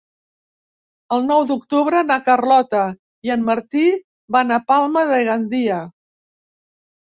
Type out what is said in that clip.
El nou d'octubre na Carlota i en Martí van a Palma de Gandia.